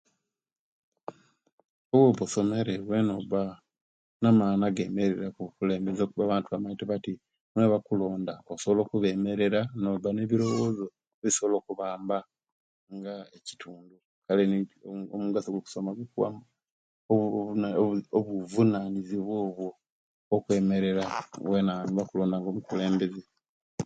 Owoba osomere wena oba namani agemerera mu bukulembeze olwokiuba abantu bamaite bati newebakulonda osobola okubemmerera oba nebilowozo ebisobola okubamba nga ekitundu kale nicho omugaso gwo kusoma gukkuwa obuvu obuzu obuzunanizibwa obwo okwemerera wena nebakulonda nga omukulembe